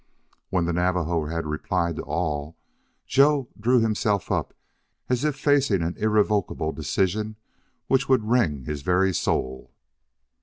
When the Navajo had replied to all, Joe drew himself up as if facing an irrevocable decision which would wring his very soul.